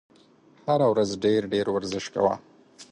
هره ورځ ډېر ډېر ورزش کوه !